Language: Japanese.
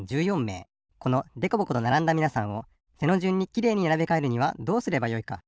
このでこぼことならんだみなさんを背のじゅんにきれいにならべかえるにはどうすればよいか。